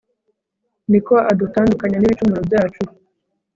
ni ko adutandukanya n'ibicumuro byacu